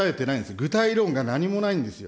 具体論が何もないんですよ。